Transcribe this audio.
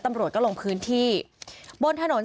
มีคนเสียชีวิตคุณ